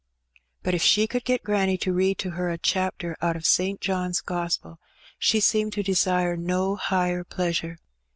But if she could get granny to read to her a chapter out of St. John^s Gospel, she seemed to desire no higher pleasure.